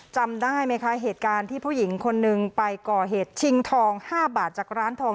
จำได้ไหมคะเหตุการณ์ที่ผู้หญิงคนนึงไปก่อเหตุชิงทอง๕บาทจากร้านทอง